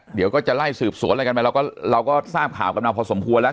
เดี๋ยวก็จะไล่สืบสวนอะไรกันไปเราก็เราก็ทราบข่าวกันมาพอสมควรแล้ว